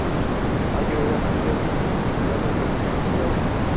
Hay obra suya en numerosas colecciones privadas.